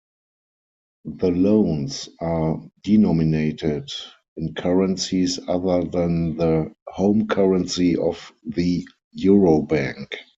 The loans are denominated in currencies other than the home currency of the Eurobank.